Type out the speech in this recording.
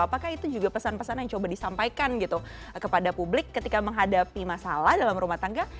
apakah itu juga pesan pesan yang coba disampaikan gitu kepada publik ketika menghadapi masalah dalam rumah tangga